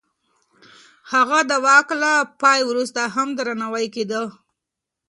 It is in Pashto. هغه د واک له پای وروسته هم درناوی کېده.